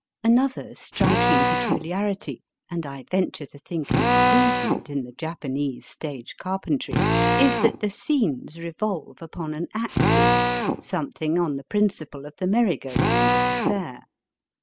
Another striking peculiarity, and I venture to think an improvement in the Japanese stage carpentry, is that the scenes revolve upon an aiis, something on the principle of Digitized by VjOOQIC A JAPANESE THEATRE. 293 the merry go round at the fair.